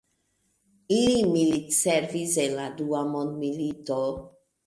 Li militservis en la Dua Mondmilito.